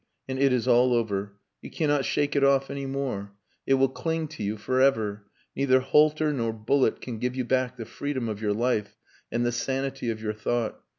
And it is all over. You cannot shake it off any more. It will cling to you for ever. Neither halter nor bullet can give you back the freedom of your life and the sanity of your thought....